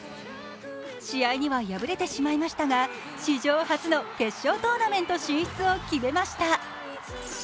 試合には敗れてしまいましたが、史上初の決勝トーナメント進出を決めました。